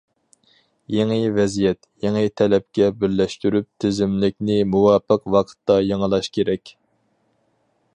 يېڭى ۋەزىيەت، يېڭى تەلەپكە بىرلەشتۈرۈپ تىزىملىكنى مۇۋاپىق ۋاقىتتا يېڭىلاش كېرەك.